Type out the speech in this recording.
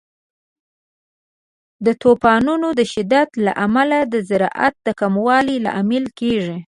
د طوفانونو د شدت له امله د زراعت د کموالي لامل کیږي.